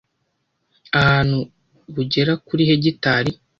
ahantu bugera kuri hegitari.